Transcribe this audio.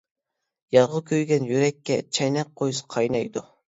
يارغا كۆيگەن يۈرەككە، چەينەك قويسا قاينايدۇ.